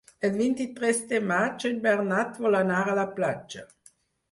El vint-i-tres de maig en Bernat vol anar a la platja.